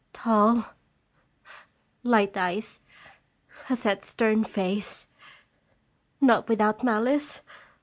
" Tall, light eyes, a set, stern face not without malice?"